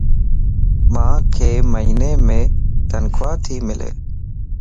مانک مھينيم تنخواه تي ملَ